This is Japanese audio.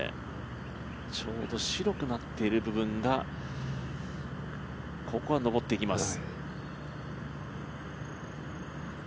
ちょうど白くなっている部分が、ここは上っていきます。